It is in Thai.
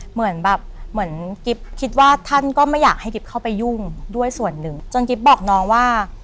เหมือนแบบเหมือนกิ๊บคิดว่าท่านก็ไม่อยากให้กิ๊บเข้าไปยุ่งด้วยส่วนหนึ่งจนกิ๊บบอกน้องว่า